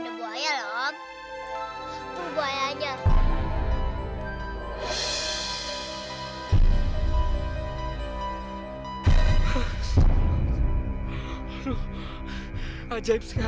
aduh ajaib sekali ya